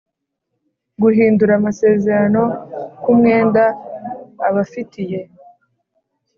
guhindura amasezerano ku mwenda abafitiye